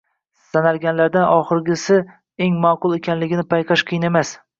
Sanalganlardan oxirgisi eng maqbul ekanligini payqash qiyin emas.